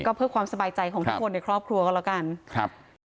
ก็เพื่อความสบายใจของทุกคนในครอบครัวก็แล้วกันครับ